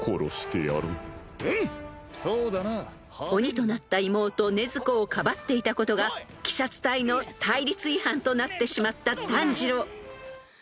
［鬼となった妹禰豆子をかばっていたことが鬼殺隊の隊律違反となってしまった炭治郎］